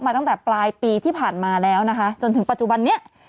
ตั้งแต่ปลายปีที่ผ่านมาแล้วนะคะจนถึงปัจจุบันนี้